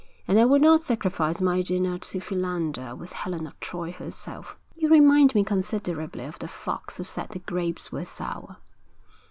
And I would not sacrifice my dinner to philander with Helen of Troy herself.' 'You remind me considerably of the fox who said the grapes were sour.'